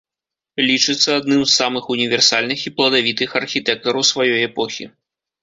Лічыцца адным з самых універсальных і пладавітых архітэктараў сваёй эпохі.